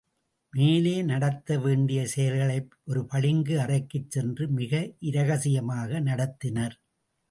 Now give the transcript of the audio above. மேலே நடத்த வேண்டிய செயல்களை ஒரு பளிங்கு அறைக்குச் சென்று மிக இரகசியமாக நடத்தினர்.